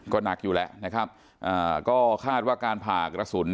ก็หนักอยู่แล้วนะครับอ่าก็คาดว่าการผ่ากระสุน